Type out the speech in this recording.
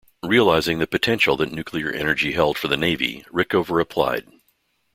Realizing the potential that nuclear energy held for the Navy, Rickover applied.